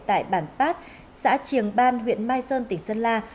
tại bản pát xã triềng ban huyện mai sơn tỉnh sơn la